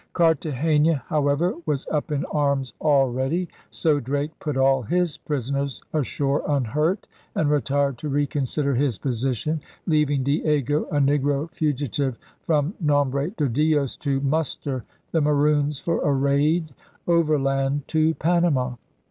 ' Cartagena, however, was up in arms already; so Drake put all his prisoners ashore unhurt and retired to reconsider his position, leaving Diego, a negro fugitive from Nombre de Dios, to muster the Maroons for a raid overland to Panama.